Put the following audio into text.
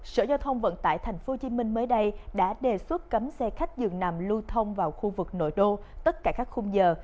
sở giao thông vận tải tp hcm mới đây đã đề xuất cấm xe khách dường nằm lưu thông vào khu vực nội đô tất cả các khung giờ